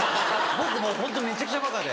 僕もうホントめちゃくちゃバカで。